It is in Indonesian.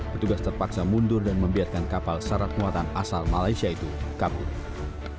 petugas terpaksa mundur dan membiarkan kapal syarat muatan asal malaysia itu kabur